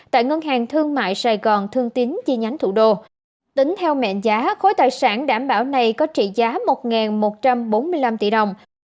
tính theo mệnh giá khối tài sản đảm bảo này có trị giá một một trăm bốn mươi năm tỷ đồng